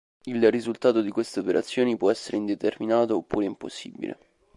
Il risultato di queste operazioni può essere indeterminato oppure impossibile.